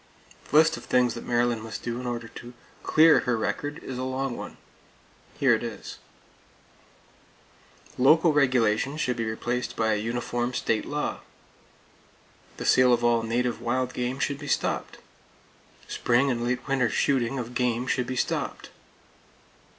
The list of things that Maryland must do in order to clear her record is a long one. Here it is: Local regulations should be replaced by a uniform state law. The sale of all native wild game should be stopped. Spring and late winter shooting of game should be stopped.